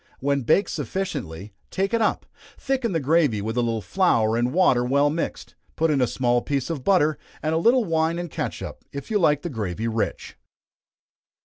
When baked sufficiently, take it up, thicken the gravy with a little flour and water well mixed, put in a small piece of butter, and a little wine and catsup, if you like the gravy rich.